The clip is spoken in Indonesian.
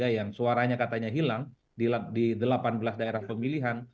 yang suaranya katanya hilang di delapan belas daerah pemilihan